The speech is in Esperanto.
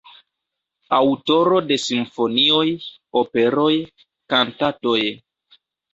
Aŭtoro de simfonioj, operoj, kantatoj.